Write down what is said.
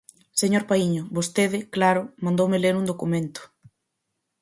Señor Paíño, vostede, claro, mandoume ler un documento.